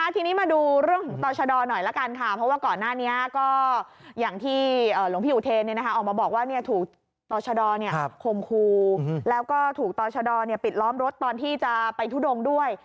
ทีนี้มาดูเรื่องของต่อชะดอหน่อยละกันค่ะเพราะว่าก่อนหน้านี้ก็อย่างที่หลวงพี่อุเทนออกมาบอกว่าถูกต่อชะดอคมครูแล้วก็ถูกต่อชะดอปิดล้อมรถตอนที่จะไปทุดงด้วย